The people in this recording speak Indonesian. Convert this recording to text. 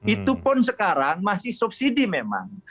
itu pun sekarang masih subsidi memang